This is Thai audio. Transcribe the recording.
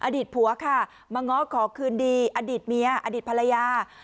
อดีตผัวค่ะมาง้อขอคืนดีอดีตเมียอดีตภรรยา